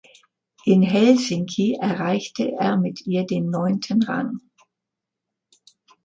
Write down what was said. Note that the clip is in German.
In Helsinki erreichte er mit ihr den neunten Rang.